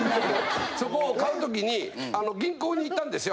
そこを買う時に銀行に行ったんですよ。